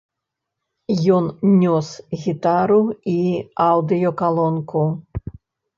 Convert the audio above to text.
Ён нёс гітару і аўдыёкалонку.